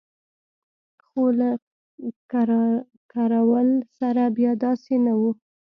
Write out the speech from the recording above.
خو له کراول سره بیا داسې نه وو.